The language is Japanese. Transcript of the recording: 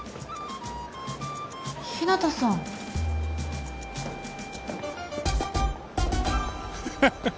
日向さんハハハ